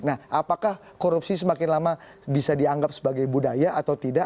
nah apakah korupsi semakin lama bisa dianggap sebagai budaya atau tidak